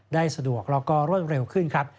ได้สะดวกแล้วก็รวดเร็วขึ้นครับ